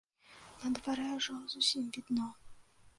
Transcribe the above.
На дварэ ўжо зусім відно.